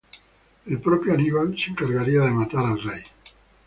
El propio Aníbal se encargaría de matar al rey.